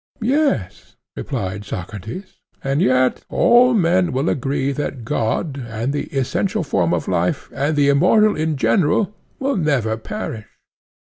Yes, replied Socrates, and yet all men will agree that God, and the essential form of life, and the immortal in general, will never perish.